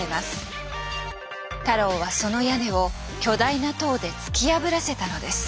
太郎はその屋根を巨大な塔で突き破らせたのです。